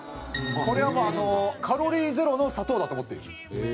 これはもうあのカロリーゼロの砂糖だと思っていいです。